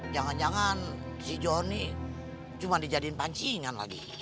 jangan jangan si johnny cuma dijadiin pancingan lagi